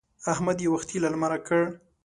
احمد يې وختي له لمره کړ.